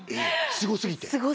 すごすぎて。